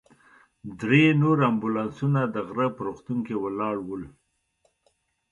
درې نور امبولانسونه د غره په روغتون کې ولاړ ول.